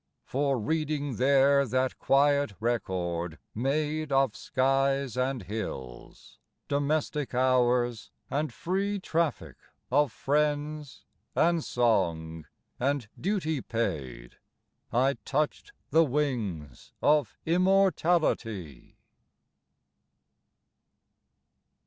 For reading there that quiet record made Of skies and hills, domestic hours, and free Traffic of friends, and song, and duty paid, I touched the wings of immortality.